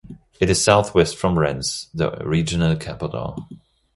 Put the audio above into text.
It is southwest from Rennes, the regional capital.